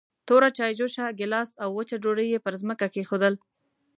توره چايجوشه، ګيلاس او وچه ډوډۍ يې پر ځمکه کېښودل.